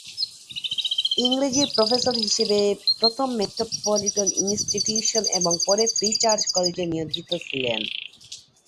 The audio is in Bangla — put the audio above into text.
ইংরেজির প্রফেসর হিসেবে প্রথমে মেট্রোপলিটন ইনস্টিটিউশন এবং পরে ফ্রী চার্চ কলেজে নিয়োজিত ছিলেন।